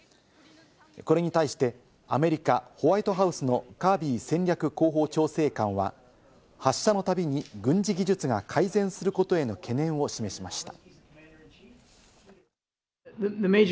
これに対してアメリカ、ホワイトハウスのカービー戦略広報調整官は発射のたびに軍事技術が改善することへの懸念を示しました。